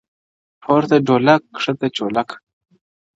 o پورته ډولک، کښته چولک٫